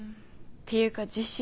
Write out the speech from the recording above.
っていうか実質